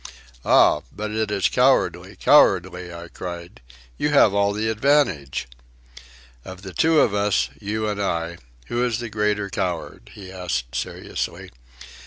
"Ah, but it is cowardly, cowardly!" I cried. "You have all the advantage." "Of the two of us, you and I, who is the greater coward?" he asked seriously.